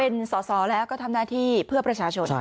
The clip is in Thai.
เป็นสอสอแล้วก็ทำหน้าที่เพื่อประชาชน